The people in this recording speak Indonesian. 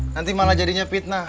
nanti malah jadinya fitnah